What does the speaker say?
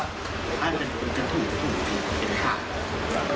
ถ้ามันเป็นถุงถุงเป็นขา